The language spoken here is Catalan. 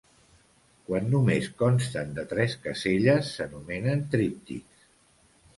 Quan només consten de tres caselles s'anomenen tríptics.